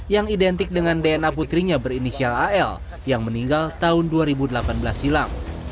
yang identik dengan dna putrinya berinisial al yang meninggal tahun dua ribu delapan belas silam